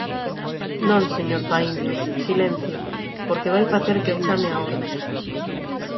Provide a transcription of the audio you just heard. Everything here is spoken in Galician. Non, señor Paíño, silencio, porque vai facer que o chame á orde.